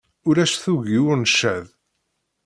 Ulac tuggi ur ncaḍ.